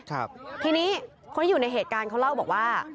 ทีนี้คนที่อยู่ในเหตุการณ์เขาเล่าบอกว่า